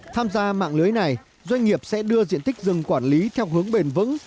tham gia mạng lưới này doanh nghiệp sẽ đưa diện tích rừng quản lý theo hướng bền vững